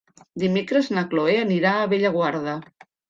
Dimecres na Chloé anirà a Bellaguarda.